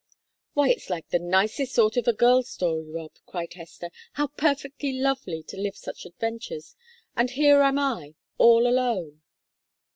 "Why, it's like the nicest sort of a girls' story, Rob," cried Hester. "How perfectly lovely to live such adventures! And here am I all alone!"